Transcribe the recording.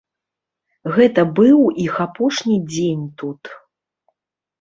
Гэта быў іх апошні дзень тут.